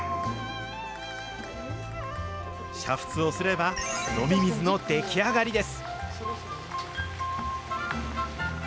煮沸をすれば、飲み水の出来上がりです。